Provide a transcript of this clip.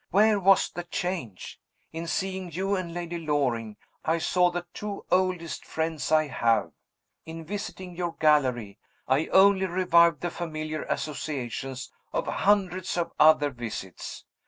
Where was the change? In seeing you and Lady Loring, I saw the two oldest friends I have. In visiting your gallery, I only revived the familiar associations of hundreds of other visits.